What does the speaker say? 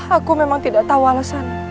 aku memang tidak tahu alasan